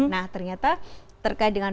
nah ternyata terkait dengan